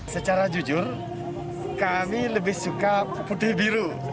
secara jujur kami lebih suka putih biru